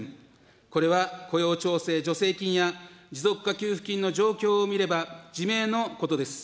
これは雇用調整助成金や持続化給付金の状況を見れば自明のことです。